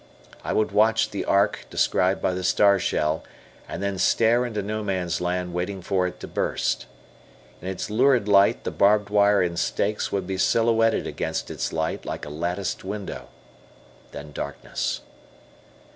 I would watch the arc described by the star shell, and then stare into No Man's Land waiting for it to burst. In its lurid light the barbed wire and stakes would be silhouetted against its light like a latticed window. Then darkness.